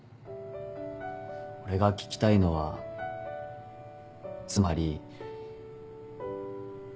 俺が聞きたいのはつまり。